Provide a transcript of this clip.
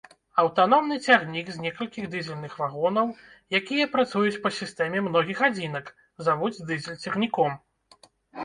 Аўтаномны цягнік з некалькіх дызельных вагонаў, якія працуюць па сістэме многіх адзінак, завуць дызель-цягніком.